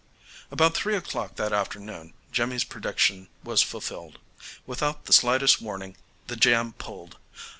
About three o'clock that afternoon Jimmy's prediction was fulfilled. Without the slightest warning the jam "pulled."